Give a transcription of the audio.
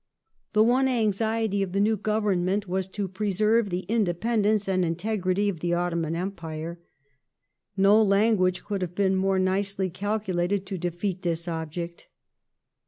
The one anxiety of the new Government was to preserve the independence and integrity of the Ottoman Empii e. No language could have been more nicely calculated to defeat this object.